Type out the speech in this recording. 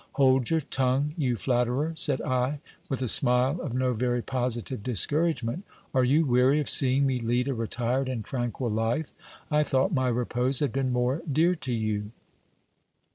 Hold your tongue, you flatterer, said I, with a smile of no very positive discourage ment ; are you weary of seeing me lead a retired and tranquil life ? I thought my repose had been more dear to you.